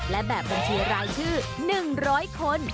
และแบบบัญชีรายชื่อ๑๐๐คน